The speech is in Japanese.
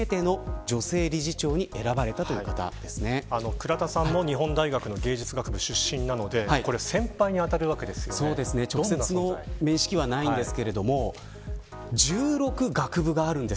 倉田さんも日本大学の芸術学部出身なので直接の面識はありませんが１６の学部があるんです。